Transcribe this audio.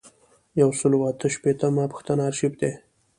یو سل او اته شپیتمه پوښتنه آرشیف دی.